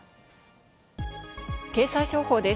経済情報です。